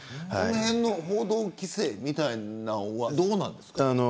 報道規制みたいなのはどうなんですか。